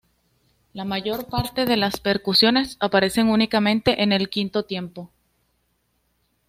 La mayor parte de las percusiones aparecen únicamente en el quinto tiempo.